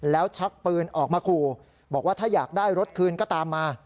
แล้วชักปืนออกมาขู่บอกว่าถ้าอยากได้รถคืนก็ตามมา